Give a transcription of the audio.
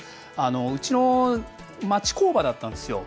うち町工場だったんですよ。